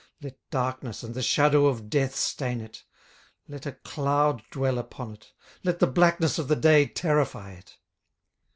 18:003:005 Let darkness and the shadow of death stain it; let a cloud dwell upon it; let the blackness of the day terrify it.